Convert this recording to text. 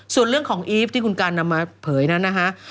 ส่วนเรื่องของอีฟที่คุณการนำมาเผยนั้นนะฮะ